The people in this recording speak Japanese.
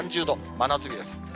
真夏日です。